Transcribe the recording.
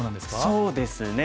そうですね。